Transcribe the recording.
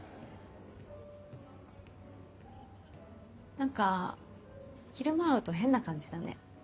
何か昼間会うと変な感じだね。